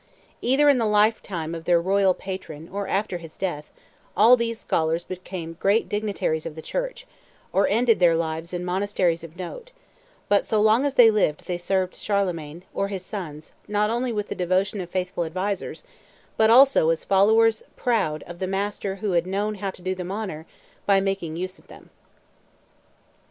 Either in the lifetime of their royal patron, or after his death, all these scholars became great dignitaries of the Church, or ended their lives in monasteries of note; but, so long as they lived, they served Charlemagne or his sons not only with the devotion of faithful advisers, but also as followers proud of the master who had known how to do them honor by making use of them.